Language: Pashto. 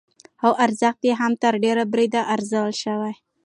او ارزښت يې هم تر ډېره بريده ارزول شوى،